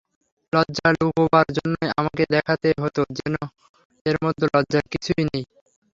লজ্জা লুকোবার জন্যেই আমাকে দেখাতে হত যেন এর মধ্যে লজ্জার কিছুই নেই।